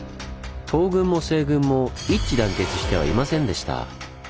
東軍も西軍も一致団結してはいませんでした。